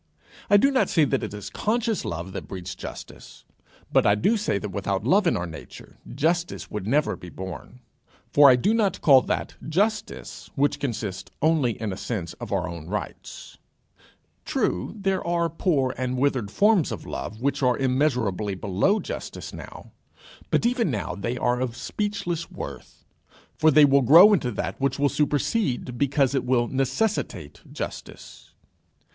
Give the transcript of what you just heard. I do not say it is conscious love that breeds justice, but I do say that without love in our nature justice would never be born. For I do not call that justice which consists only in a sense of our own rights. True, there are poor and withered forms of love which are immeasurably below justice now; but even now they are of speechless worth, for they will grow into that which will supersede, because it will necessitate, justice.